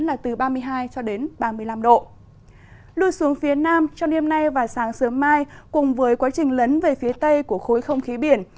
lùi xuống phía nam trong đêm nay và sáng sớm mai cùng với quá trình lấn về phía tây của khối không khí biển